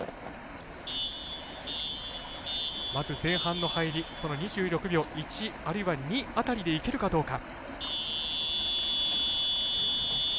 前半の入り、２６秒１あるいは２辺りでいけるかどうか。